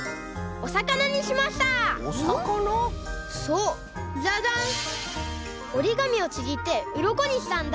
おりがみをちぎってうろこにしたんだ。